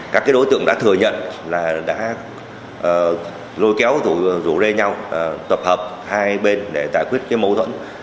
các đối tượng đã thừa nhận là đã lôi kéo rủ rê nhau tập hợp hai bên để giải quyết mâu thuẫn